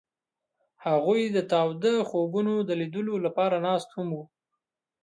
هغوی د تاوده خوبونو د لیدلو لپاره ناست هم وو.